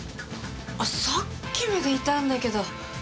あさっきまでいたんだけど。